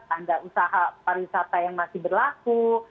tanda usaha pariwisata yang masih berlaku